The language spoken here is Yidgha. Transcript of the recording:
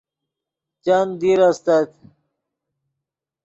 چند دیر استت